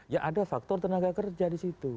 ya ada faktor tenaga kerja di situ